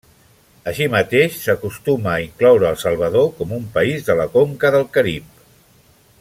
Així mateix s'acostuma a incloure El Salvador com un país de la conca del Carib.